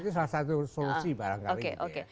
itu salah satu solusi barangkali oke oke